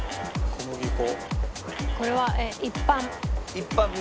小麦粉。